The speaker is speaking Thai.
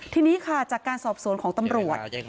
ทีนี้ค่ะจากการสอบสวนของตำรวจ